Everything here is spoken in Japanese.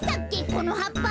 このはっぱ」